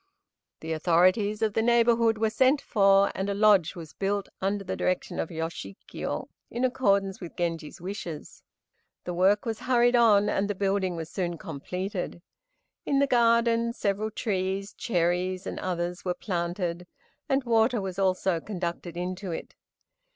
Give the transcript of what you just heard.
The authorities of the neighborhood were sent for, and a lodge was built under the direction of Yoshikiyo, in accordance with Genji's wishes. The work was hurried on, and the building was soon completed. In the garden, several trees, cherries and others, were planted, and water was also conducted into it.